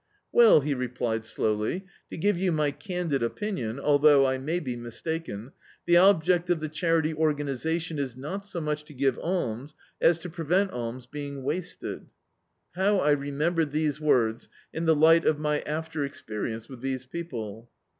"Well," he replied slowly, "to give you my candid opinion — although I may be mistaken — the object of the Charity Organisaticm is not so much to give alms, as to prevent alms being wasted." How I remembered these words in the light of my after experience with these people!